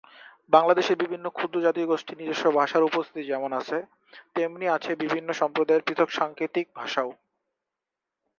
বাংলাদেশের বিভিন্ন ক্ষুদ্র জাতিগোষ্ঠীর নিজস্ব ভাষার উপস্থিতি যেমন আছে তেমনি আছে বিভিন্ন সম্প্রদায়ের পৃথক সাংকেতিক ভাষাও।